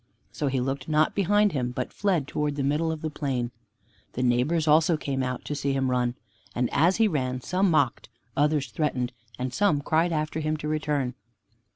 So he looked not behind him, but fled towards the middle of the plain. The neighbors also came out to see him run. And as he ran some mocked, others threatened, and some cried after him to return.